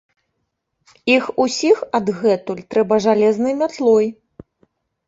Іх усіх адгэтуль трэба жалезнай мятлой!